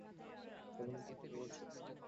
প্রধানমন্ত্রী অপেক্ষা করছেন।